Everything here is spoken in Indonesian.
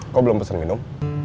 kok belum pesen minum